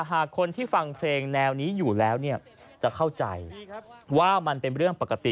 หากคนที่ฟังเพลงแนวนี้อยู่แล้วเนี่ยจะเข้าใจว่ามันเป็นเรื่องปกติ